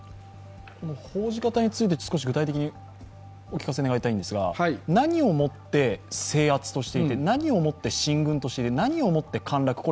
報じ方について具体的にお聞かせ願いたいんですが何をもって制圧としていて何をもって進軍としていて何をもって陥落か。